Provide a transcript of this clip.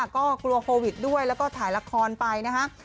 ก็กลัวโควิดด้วยแล้วก็ถ่ายละครไปนะฮะ